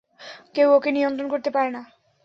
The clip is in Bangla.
কেউ ওকে নিয়ন্ত্রণ করতে পারে না।